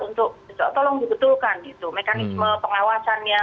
untuk tolong dibetulkan gitu mekanisme pengawasannya